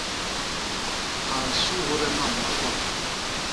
A nsugde mam ma kwañ.